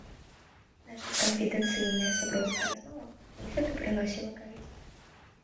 І наша канфідэнцыйная, сяброўская размова заўсёды прыносіла карысць.